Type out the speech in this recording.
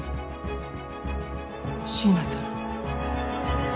椎名さん。